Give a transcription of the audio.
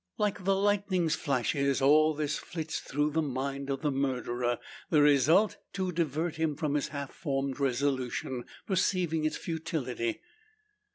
Like the lightning's flashes, all this flits through the mind of the murderer. The result, to divert him from his half formed resolution perceiving its futility.